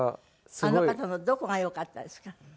あの方のどこがよかったですか？